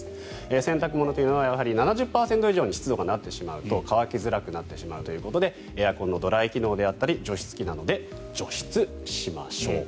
洗濯物というのはやはり７０％以上に湿度がなってしまうと乾きづらくなってしまうということでエアコンのドライ機能であったり除湿機などで除湿しましょう。